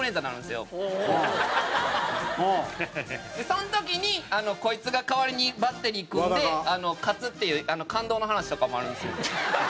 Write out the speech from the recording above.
その時にこいつが代わりにバッテリー組んで勝つっていう感動の話とかもあるんですよ。